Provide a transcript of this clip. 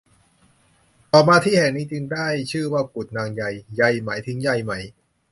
ต่อมาที่แห่งนี้จึงได้ชื่อว่ากุดนางใย ใยหมายถึงใยไหม